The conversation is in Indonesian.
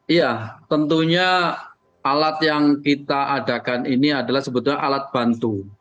iya tentunya alat yang kita adakan ini adalah sebetulnya alat bantu